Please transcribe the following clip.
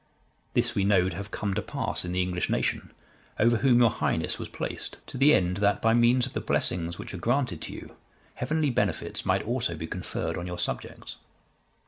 This we know to have come to pass in the English nation, over whom your Highness was placed, to the end, that by means of the blessings which are granted to you, heavenly benefits might also be conferred on your subjects.